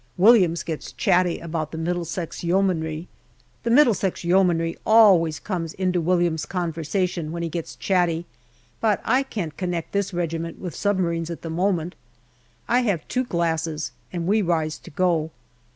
Williams gets chatty about the Middlesex Yeomanry. The Middlesex Yeomanry always comes into Williams's conversation when he gets chatty, but I can't connect this regiment with submarines at the moment. I have two glasses, and we rise to go.